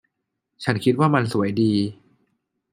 ฉันคิดว่ามันสวยดี